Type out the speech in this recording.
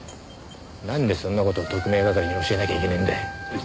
なんでそんな事特命係に教えなきゃいけねえんだ。